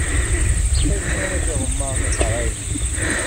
Ur tettseṭṭilem ara tiɣemmaṛ n iqeṛṛa-nwen.